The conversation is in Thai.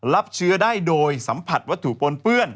รับเชื้อได้โดยสัมผัสวัตถุปนเปื้อน